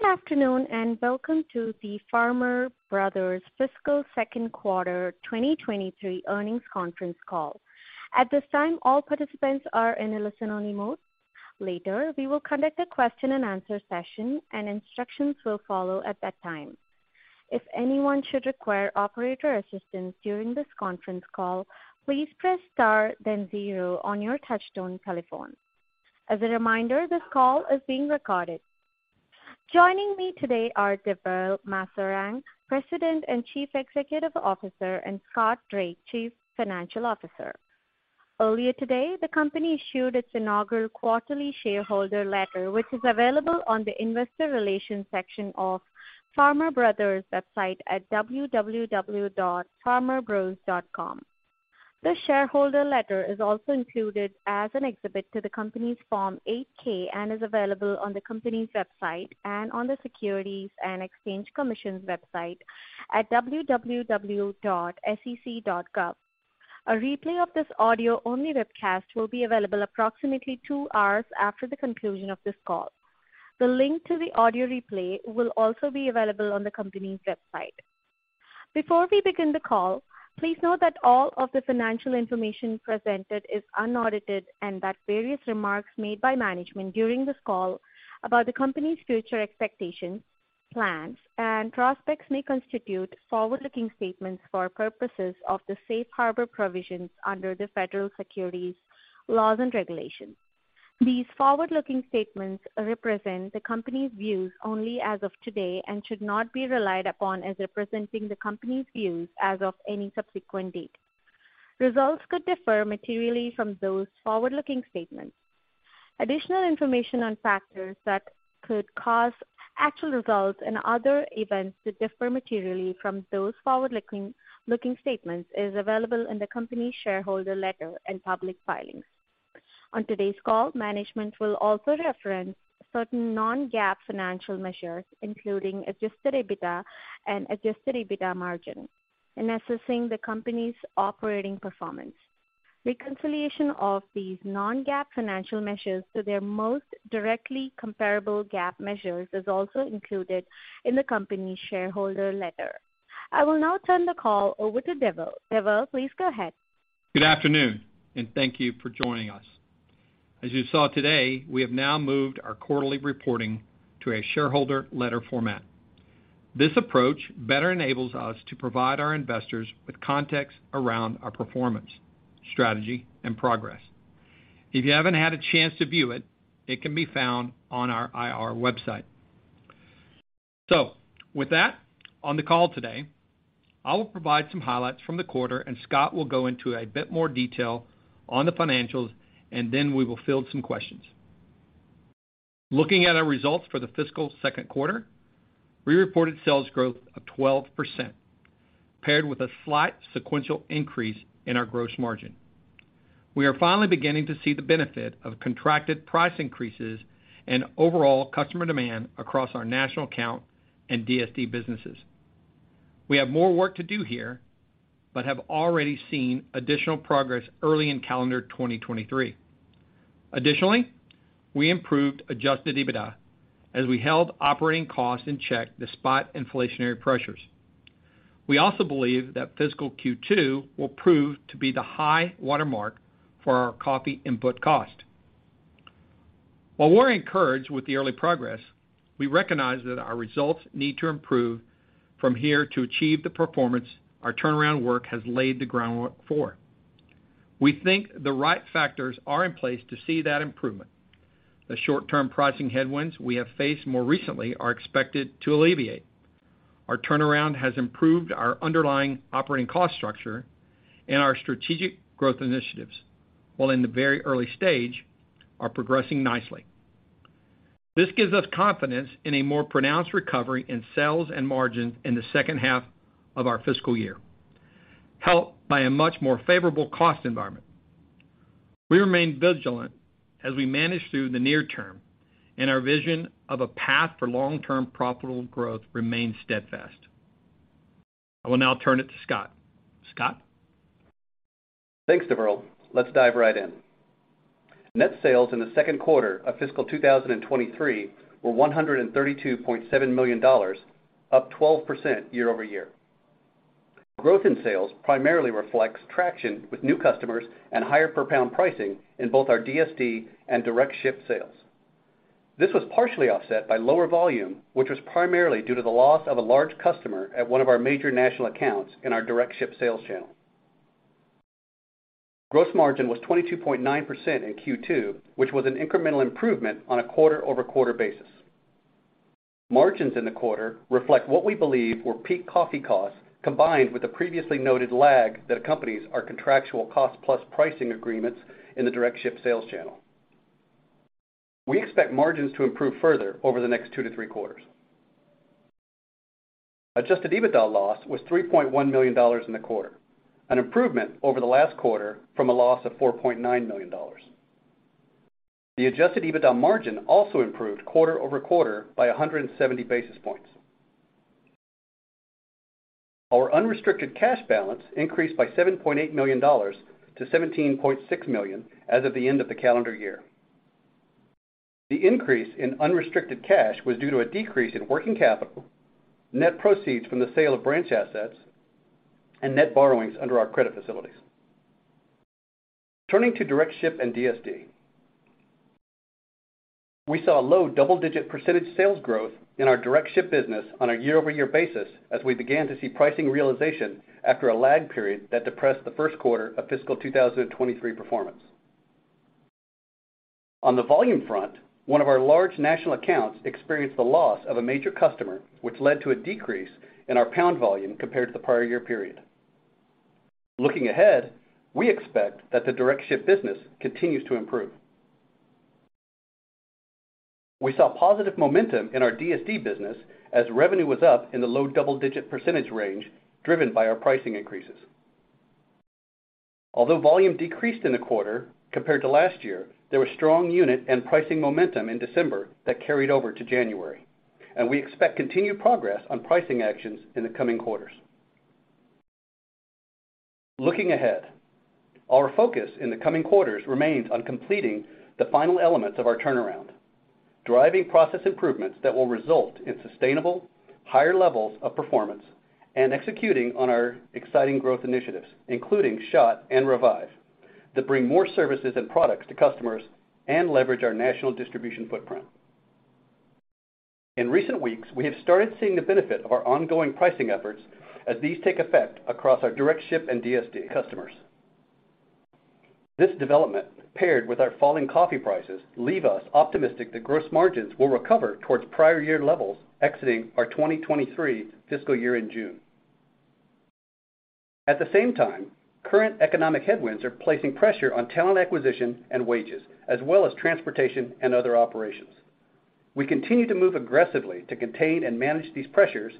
Good afternoon. Welcome to the Farmer Brothers fiscal second quarter 2023 earnings conference call. At this time, all participants are in a listen-only mode. Later, we will conduct a question-and-answer session. Instructions will follow at that time. If anyone should require operator assistance during this conference call, please press Star then zero on your touchtone telephone. As a reminder, this call is being recorded. Joining me today are Deverl Maserang, President and Chief Executive Officer, and Scott Drake, Chief Financial Officer. Earlier today, the company issued its inaugural quarterly shareholder letter, which is available on the investor relations section of Farmer Brothers website at www.farmerbros.com. The shareholder letter is also included as an exhibit to the company's Form 8-K and is available on the company's website and on the Securities and Exchange Commission's website at www.sec.gov. A replay of this audio-only webcast will be available approximately two hours after the conclusion of this call. The link to the audio replay will also be available on the company's website. Before we begin the call, please note that all of the financial information presented is unaudited, and that various remarks made by management during this call about the company's future expectations, plans, and prospects may constitute forward-looking statements for purposes of the safe harbor provisions under the Federal securities laws and regulations. These forward-looking statements represent the company's views only as of today and should not be relied upon as representing the company's views as of any subsequent date. Results could differ materially from those forward-looking statements. Additional information on factors that could cause actual results and other events to differ materially from those forward-looking statements is available in the company's shareholder letter and public filings. On today's call, management will also reference certain non-GAAP financial measures, including adjusted EBITDA and adjusted EBITDA margin in assessing the company's operating performance. Reconciliation of these non-GAAP financial measures to their most directly comparable GAAP measures is also included in the company's shareholder letter. I will now turn the call over to Deverl. Deverl, please go ahead. Good afternoon, and thank you for joining us. As you saw today, we have now moved our quarterly reporting to a shareholder letter format. This approach better enables us to provide our investors with context around our performance, strategy, and progress. If you haven't had a chance to view it can be found on our IR website. With that, on the call today, I will provide some highlights from the quarter, and Scott will go into a bit more detail on the financials, and then we will field some questions. Looking at our results for the fiscal second quarter, we reported sales growth of 12% paired with a slight sequential increase in our gross margin. We are finally beginning to see the benefit of contracted price increases and overall customer demand across our national account and DSD businesses. We have more work to do here, have already seen additional progress early in calendar 2023. Additionally, we improved adjusted EBITDA as we held operating costs in check despite inflationary pressures. We also believe that fiscal Q2 will prove to be the high-water mark for our coffee input cost. While we're encouraged with the early progress, we recognize that our results need to improve from here to achieve the performance our turnaround work has laid the groundwork for. We think the right factors are in place to see that improvement. The short-term pricing headwinds we have faced more recently are expected to alleviate. Our turnaround has improved our underlying operating cost structure and our strategic growth initiatives, while in the very early stage, are progressing nicely. This gives us confidence in a more pronounced recovery in sales and margins in the second half of our fiscal year, helped by a much more favorable cost environment. We remain vigilant as we manage through the near term, and our vision of a path for long-term profitable growth remains steadfast. I will now turn it to Scott. Scott? Thanks, Deverl. Let's dive right in. Net sales in the Q2 of fiscal 2023 were $132.7 million, up 12% year-over-year. Growth in sales primarily reflects traction with new customers and higher per pound pricing in both our DSD and direct ship sales. This was partially offset by lower volume, which was primarily due to the loss of a large customer at one of our major national accounts in our direct ship sales channel. Gross margin was 22.9% in Q2, which an incremental improvement on a quarter-over-quarter basis. Margins in the quarter reflect what we believe were peak coffee costs, combined with the previously noted lag that accompanies our contractual cost plus pricing agreements in the direct ship sales channel. We expect margins to improve further over the next 2 quaters-3 quarters. Adjusted EBITDA loss was $3.1 million in the quarter, an improvement over the last quarter from a loss of $4.9 million. The adjusted EBITDA margin also improved quarter-over-quarter by 170 basis points. Our unrestricted cash balance increased by $7.8 million to $17.6 million as of the end of the calendar year. The increase in unrestricted cash was due to a decrease in working capital, net proceeds from the sale of branch assets, and net borrowings under our credit facilities. Turning to direct ship and DSD. We saw low double-digit percentage sales growth in our direct ship business on a year-over-year basis as we began to see pricing realization after a lag period that depressed the first quarter of fiscal 2023 performance. On the volume front, one of our large national accounts experienced the loss of a major customer, which led to a decrease in our pound volume compared to the prior-year period. Looking ahead, we expect that the direct ship business continues to improve. We saw positive momentum in our DSD business as revenue was up in the low double-digit percentage range, driven by our pricing increases. Although volume decreased in the quarter compared to last year, there was strong unit and pricing momentum in December that carried over to January, and we expect continued progress on pricing actions in the coming quarters. Looking ahead, our focus in the coming quarters remains on completing the final elements of our turnaround, driving process improvements that will result in sustainable higher levels of performance, and executing on our exciting growth initiatives, including SHOTT and REVIVE, that bring more services and products to customers and leverage our national distribution footprint. In recent weeks, we have started seeing the benefit of our ongoing pricing efforts as these take effect across our direct ship and DSD customers. This development, paired with our falling coffee prices, leave us optimistic that gross margins will recover towards prior year levels exiting our 2023 fiscal year in June. At the same time, current economic headwinds are placing pressure on talent acquisition and wages, as well as transportation and other operations. We continue to move aggressively to contain and manage these pressures.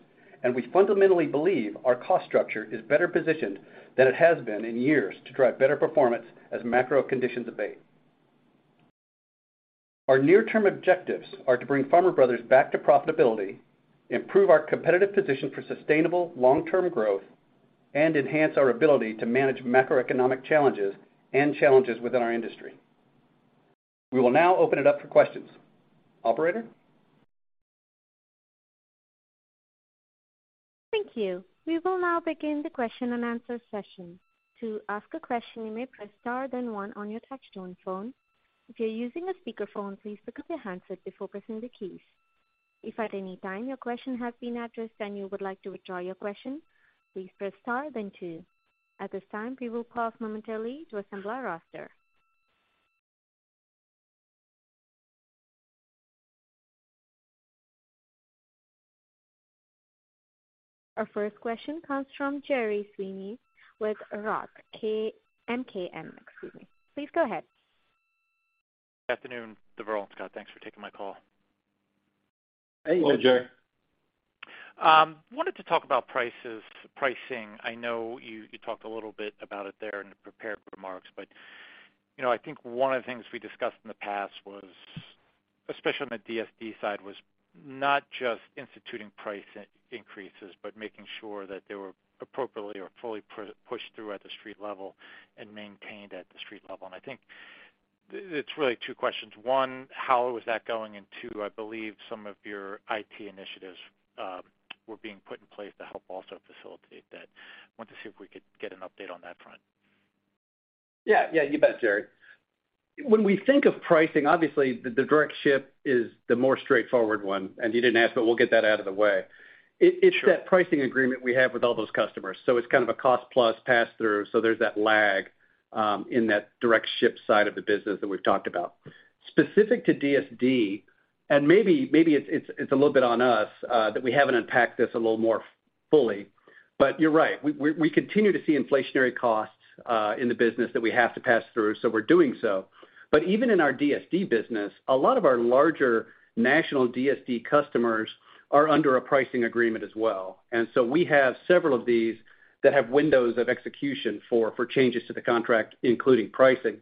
We fundamentally believe our cost structure is better positioned than it has been in years to drive better performance as macro conditions abate. Our near-term objectives are to bring Farmer Brothers back to profitability, improve our competitive position for sustainable long-term growth, and enhance our ability to manage macroeconomic challenges and challenges within our industry. We will now open it up for questions. Operator? Thank you. We will now begin the question and answer session. To ask a question, you may press star then one on your touchtone phone. If you're using a speaker phone, please pick up your handset before pressing the keys. If at any time your question has been addressed and you would like to withdraw your question, please press star then two. At this time, we will pause momentarily to assemble our roster. Our first question comes from Gerry Sweeney with ROTH MKM, excuse me. Please go ahead. Afternoon, Deverl and Scott, thanks for taking my call. Hey, Gerry. Hello. Wanted to talk about prices, pricing. I know you talked a little bit about it there in the prepared remarks, but I think one of the things we discussed in the past was, especially on the DSD side, was not just instituting price increases but making sure that they were appropriately or fully pushed through at the street level and maintained at the street level. I think it's really two questions. One, how is that going? Two, I believe some of your IT initiatives were being put in place to help also facilitate that. Wanted to see if we could get an update on that front. Yeah. Yeah, you bet, Gerry. When we think of pricing, obviously the direct ship is the more straightforward one, You didn't ask, but we'll get that out of the way. Sure. It's that pricing agreement we have with all those customers. It's kind of a cost plus pass through. There's that lag in that direct ship side of the business that we've talked about. Specific to DSD, maybe it's a little bit on us that we haven't unpacked this a little more fully. You're right. We continue to see inflationary costs in the business that we have to pass through. We're doing so. Even in our DSD business, a lot of our larger national DSD customers are under a pricing agreement as well. We have several of these that have windows of execution for changes to the contract, including pricing.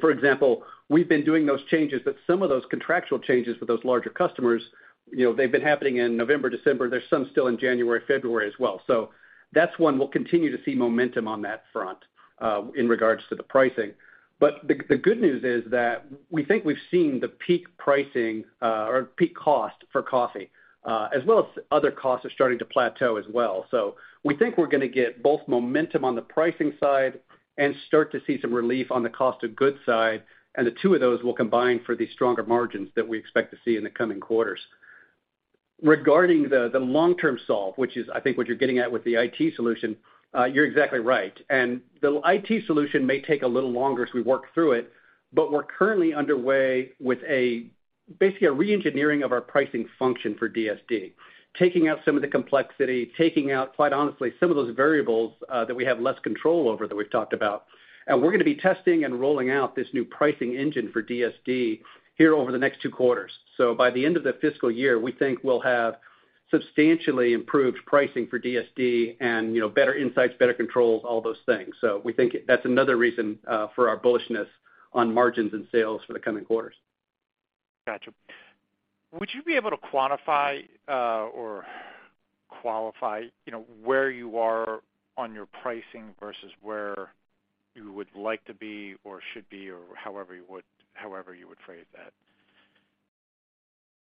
For example, we've been doing those changes, but some of those contractual changes with those larger customers, you know, they've been happening in November, December. There's some still in January, February as well. That's one we'll continue to see momentum on that front in regards to the pricing. The good news is that we think we've seen the peak pricing or peak cost for coffee as well as other costs are starting to plateau as well. We think we're gonna get both momentum on the pricing side and start to see some relief on the cost of goods side, and the two of those will combine for the stronger margins that we expect to see in the coming quarters. Regarding the long-term solve, which is I think what you're getting at with the IT solution, you're exactly right. The IT solution may take a little longer as we work through it, but we're currently underway with a, basically a re-engineering of our pricing function for DSD, taking out some of the complexity, taking out, quite honestly, some of those variables that we have less control over that we've talked about. We're gonna be testing and rolling out this new pricing engine for DSD here over the next two quarters. By the end of the fiscal year, we think we'll have substantially improved pricing for DSD and, you know, better insights, better controls, all those things. We think that's another reason for our bullishness on margins and sales for the coming quarters. Gotcha. Would you be able to quantify or qualify, you know, where you are on your pricing versus where you would like to be or should be or however you would phrase that?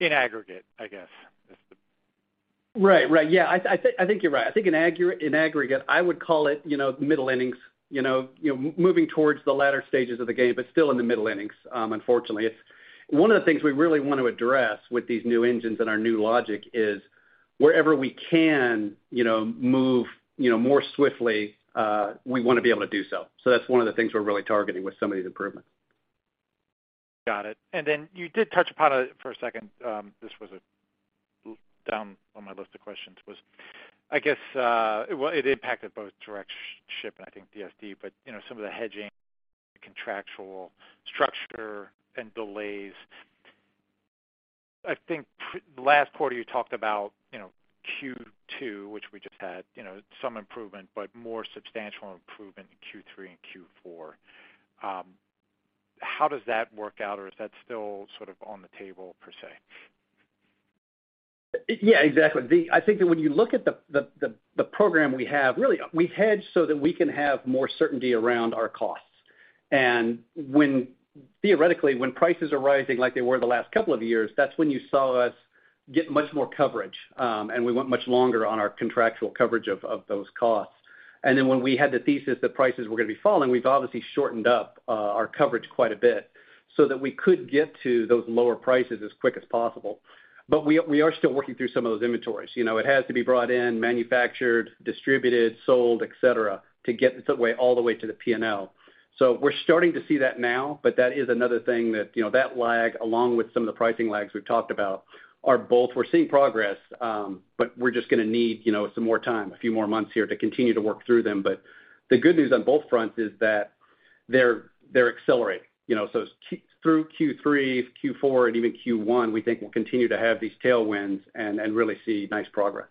In aggregate, I guess. Right. I think you're right. I think in aggregate, I would call it, you know, middle innings, you know, moving towards the latter stages of the game, but still in the middle innings, unfortunately. It's one of the things we really want to address with these new engines and our new logic is wherever we can, you know, move, you know, more swiftly, we wanna be able to do so. That's one of the things we're really targeting with some of these improvements. Got it. You did touch upon it for a second. This was down on my list of questions, was I guess, well, it impacted both direct ship and I think DSD, but, you know, some of the hedging, contractual structure and delays. Last quarter, you talked about, you know, Q2, which we just had, you know, some improvement, but more substantial improvement in Q3 and Q4. How does that work out, or is that still sort of on the table per se? Yeah, exactly. I think that when you look at the program we have, really, we hedge so that we can have more certainty around our costs. Theoretically, when prices are rising like they were the last couple of years, that's when you saw us get much more coverage, and we went much longer on our contractual coverage of those costs. When we had the thesis that prices were gonna be falling, we've obviously shortened up our coverage quite a bit so that we could get to those lower prices as quick as possible. We are still working through some of those inventories. You know, it has to be brought in, manufactured, distributed, sold, et cetera, to get some way all the way to the P&L. We're starting to see that now, but that is another thing that, you know, that lag, along with some of the pricing lags we've talked about, are both we're seeing progress, but we're just gonna need, you know, some more time, a few more months here to continue to work through them. The good news on both fronts is that they're accelerating. You know, through Q3, Q4, and even Q1, we think we'll continue to have these tailwinds and really see nice progress.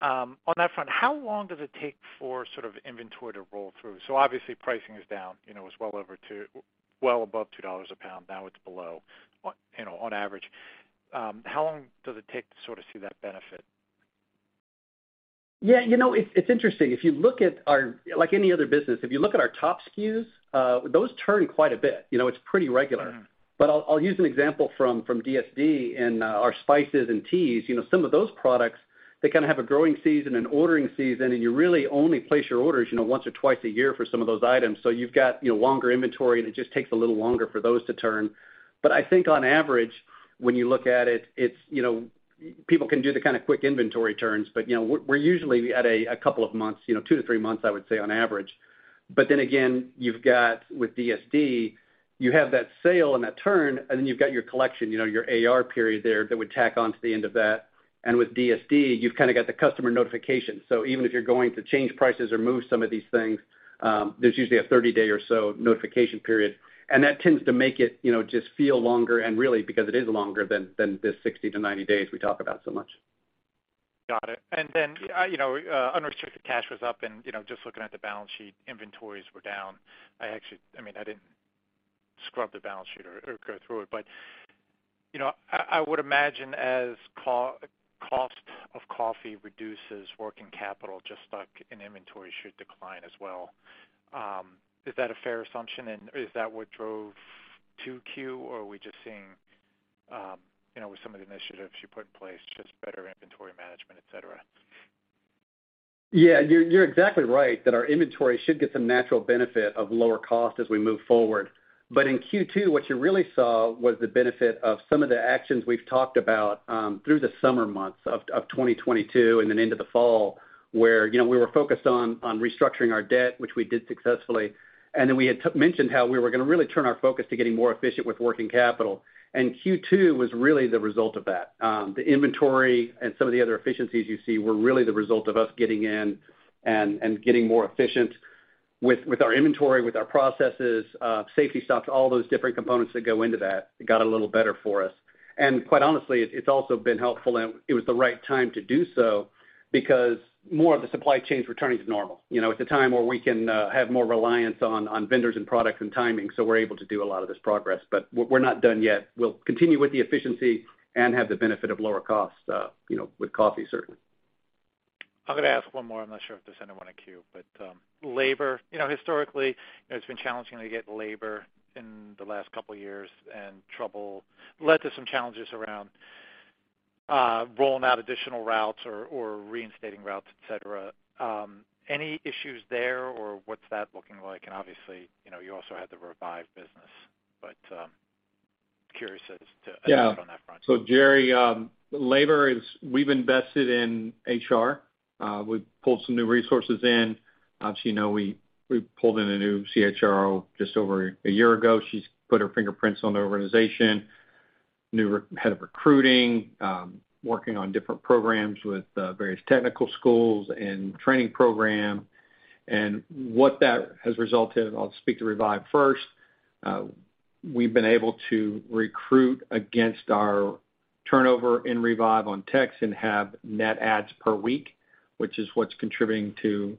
On that front, how long does it take for sort of inventory to roll through? Obviously pricing is down, you know, it was well over $2... well above $2 a pound, now it's below, on, you know, on average. How long does it take to sort of see that benefit? You know, it's interesting. If you look at our Like any other business, if you look at our top SKUs, those turn quite a bit. You know, it's pretty regular. Mm-hmm. I'll use an example from DSD and our spices and teas. You know, some of those products, they kind of have a growing season, an ordering season, and you really only place your orders, you know, once or twice a year for some of those items. You've got, you know, longer inventory, and it just takes a little longer for those to turn. I think on average, when you look at it's, you know, people can do the kind of quick inventory turns, but, we're usually at a couple of months, you know, two to three months, I would say on average. Again, you've got, with DSD, you have that sale and that turn, and then you've got your collection, you know, your AR period there that would tack on to the end of that. With DSD, you've kind of got the customer notification. Even if you're going to change prices or move some of these things, there's usually a 30-day or so notification period. That tends to make it, you know, just feel longer and really because it is longer than the 60-90 days we talk about so much. Got it. Then, you know, unrestricted cash was up and, you know, just looking at the balance sheet, inventories were down. I actually... I mean, I didn't scrub the balance sheet or go through it, but, you know, I would imagine as co-cost of coffee reduces working capital just like an inventory should decline as well. Is that a fair assumption, and is that what drove 2Q, or are we just seeing, you know, with some of the initiatives you put in place, just better inventory management, et cetera? Yeah, you're exactly right that our inventory should get some natural benefit of lower cost as we move forward. In Q2, what you really saw was the benefit of some of the actions we've talked about through the summer months of 2022 and then into the fall, where, you know, we were focused on restructuring our debt, which we did successfully. Then we had mentioned how we were gonna really turn our focus to getting more efficient with working capital. Q2 was really the result of that. The inventory and some of the other efficiencies you see were really the result of us getting in and getting more efficient with our inventory, with our processes, safety stocks, all those different components that go into that. It got a little better for us. Quite honestly, it's also been helpful, and it was the right time to do so because more of the supply chains were turning to normal. You know, it's a time where we can have more reliance on vendors and products and timing, so we're able to do a lot of this progress. We're not done yet. We'll continue with the efficiency and have the benefit of lower costs, you know, with coffee, certainly. I'm gonna ask one more. I'm not sure if there's anyone in queue. Labor, you know, historically, it's been challenging to get labor in the last couple of years and trouble led to some challenges around rolling out additional routes or reinstating routes, et cetera. Any issues there, or what's that looking like? Obviously, you know, you also had the REVIVE business, curious as to- Yeah. update on that front. Gerry, labor is... We've invested in HR. We've pulled some new resources in. As you know, we pulled in a new CHRO just over a year ago. She's put her fingerprints on the organization, new head of recruiting, working on different programs with various technical schools and training program. What that has resulted, I'll speak to REVIVE first. We've been able to recruit against our. Turnover in REVIVE on techs and have net adds per week, which is what's contributing to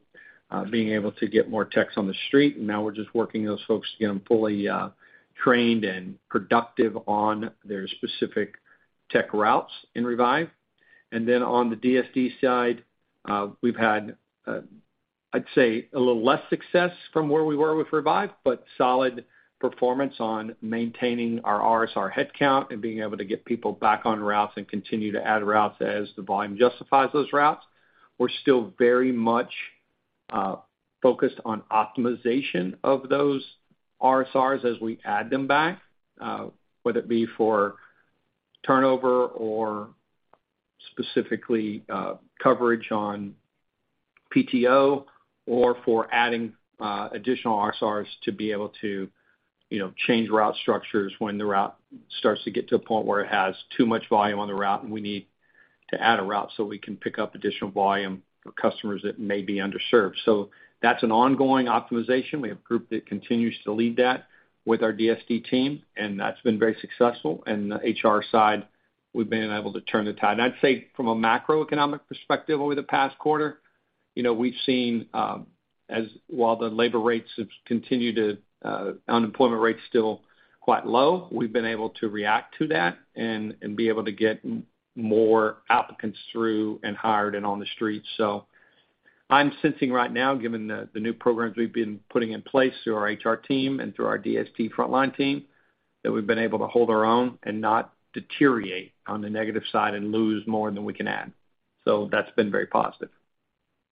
being able to get more techs on the street. Now we're just working those folks to get them fully trained and productive on their specific tech routes in REVIVE. Then on the DSD side, we've had, I'd say a little less success from where we were with REVIVE, but solid performance on maintaining our RSR headcount and being able to get people back on routes and continue to add routes as the volume justifies those routes. We're still very much focused on optimization of those RSRs as we add them back, whether it be for turnover or specifically, coverage on PTO or for adding additional RSRs to be able to, you know, change route structures when the route starts to get to a point where it has too much volume on the route, and we need to add a route so we can pick up additional volume for customers that may be underserved. That's an ongoing optimization. We have a group that continues to lead that with our DSD team, and that's been very successful. The HR side, we've been able to turn the tide. I'd say from a macroeconomic perspective over the past quarter, you know, we've seen, as while the labor rates have continued to, unemployment rate's still quite low, we've been able to react to that and be able to get more applicants through and hired and on the street. I'm sensing right now, given the new programs we've been putting in place through our HR team and through our DSD frontline team, that we've been able to hold our own and not deteriorate on the negative side and lose more than we can add. That's been very positive.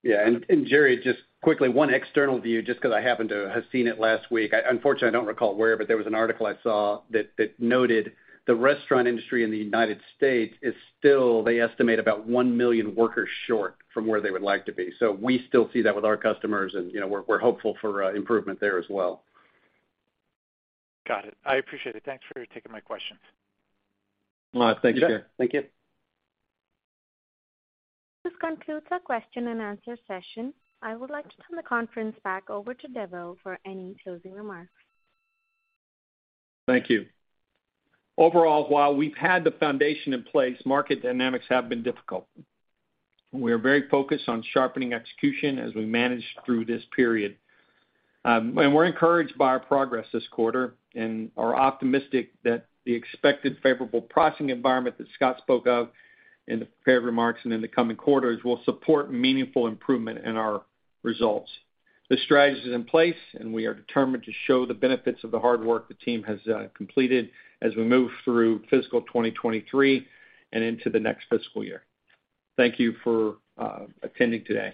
Yeah. Gerry, just quickly, one external view, just 'cause I happened to have seen it last week. I unfortunately, I don't recall where, but there was an article I saw that noted the restaurant industry in the United States is still, they estimate, about 1 million workers short from where they would like to be. We still see that with our customers and, you know, we're hopeful for improvement there as well. Got it. I appreciate it. Thanks for taking my questions. Thanks, Gerry. Thank you. This concludes our question and answer session. I would like to turn the conference back over to Deverl for any closing remarks. Thank you. Overall, while we've had the foundation in place, market dynamics have been difficult. We are very focused on sharpening execution as we manage through this period. We're encouraged by our progress this quarter and are optimistic that the expected favorable pricing environment that Scott spoke of in the prepared remarks and in the coming quarters will support meaningful improvement in our results. The strategy is in place, and we are determined to show the benefits of the hard work the team has completed as we move through fiscal 2023 and into the next fiscal year. Thank you for attending today.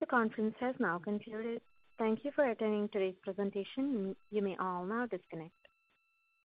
The conference has now concluded. Thank you for attending today's presentation. You may all now disconnect.